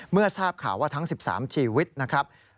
เมื่อทราบข่าวว่าทั้ง๑๓ชีวิตนะครับ